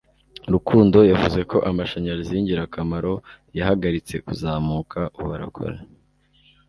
Rukundo yavuze ko amashanyarazi yingirakamaro yahagaritse kuzamuka ubu arakora